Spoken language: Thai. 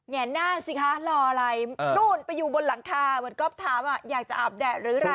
แน่นหน้าสิคะรออะไรนู่นไปอยู่บนหลังคาเหมือนก๊อฟถามอยากจะอาบแดดหรืออะไร